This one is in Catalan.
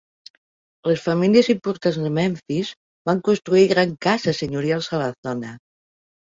Les famílies importants de Memphis van construir grans cases senyorials a la zona.